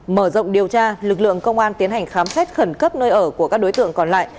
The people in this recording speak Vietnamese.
mở rộng điều tra lực lượng công an tiến hành khám xét khẩn cấp nơi ở của các đối tượng còn lại